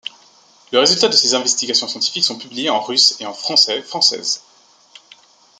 Les résultats de ces investigations scientifiques sont publiées en russe et en français|française.